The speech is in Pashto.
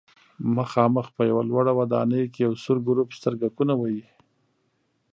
مخامخ په یوه لوړه ودانۍ کې یو سور ګروپ سترګکونه وهي.